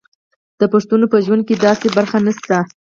د پښتنو په ژوند کې داسې برخه نشته.